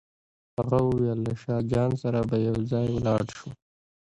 هغه وویل له شاه جان سره به یو ځای ولاړ شو.